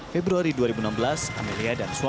februari dua ribu enam belas amelia dan suami